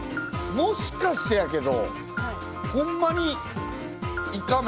もしかしてですけど。